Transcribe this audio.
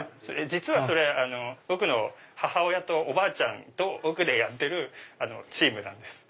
実はそれ僕の母親とおばあちゃんと僕でやってるチームなんです。